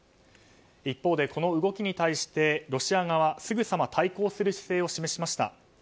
一方でこの動きに対してロシア側はすぐさま対抗する姿勢を示しました。